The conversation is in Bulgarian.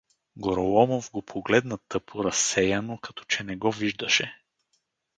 Гороломов го погледна тъпо, разсеяно, като че не го виждаше.